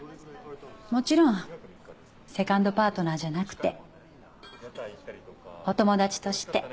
もちろんセカンドパートナーじゃなくてお友達として。